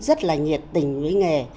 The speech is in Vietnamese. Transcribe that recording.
rất là nhiệt tình với nghề